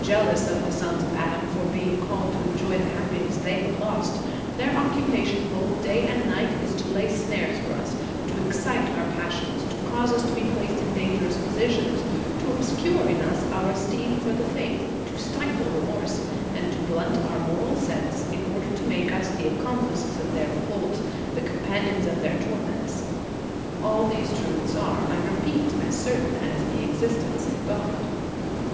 Jealous of the sons of Adam for being called to enjoy the happi ness they have lost, their occupation both day and night is to lay snares for us; to excite our passions, to cause us to be placed in dangerous positions, to obscure in us our esteem for the faith, to stifle remorse, and to blunt our moral sense, in order to make us the accomplices of their revolt, the com panions of their torments. All these truths are, I repeat, as certain as the existence of God.